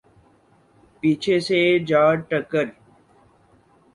پیچھے سے جا ٹکر